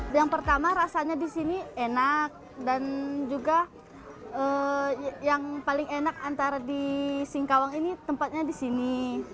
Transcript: yang pertama rasanya di sini enak dan juga yang paling enak antara di singkawang ini tempatnya di sini